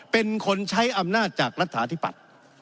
เป็นคนใช้อำนาจจากรัฐฐาที่ปัด